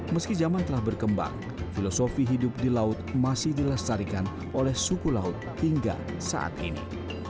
meski zaman telah berkembang filosofi hidup di laut masih dilestarikan oleh suku laut hingga saat ini